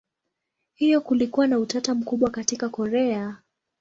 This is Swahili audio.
Hivyo kulikuwa na utata mkubwa katika Korea.